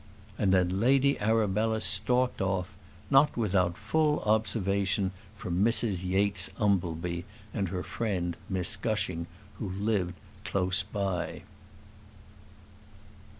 And then Lady Arabella stalked off, not without full observation from Mrs Yates Umbleby and her friend Miss Gushing, who lived close by.